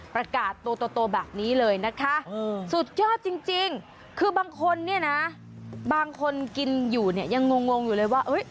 ประกาศตัวแบบนี้เลยนะคะสุดยอดจริงคือบางคนเนี่ยนะบางคนกินอยู่เนี่ยยังงงอยู่เลยว่า